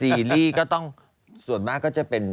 ซีรีส์ก็ต้องส่วนมากก็จะเป็น